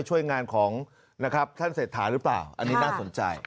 ช่วยงานของนะครับท่านเศรษฐาหรือเปล่าอันนี้น่าสนใจ